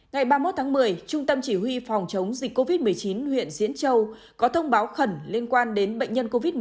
ngày ba mươi một tháng một mươi trung tâm chỉ huy phòng chống dịch covid một mươi chín huyện diễn châu có thông báo khẩn liên quan đến bệnh nhân covid một mươi chín